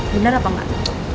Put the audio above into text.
bener apa enggak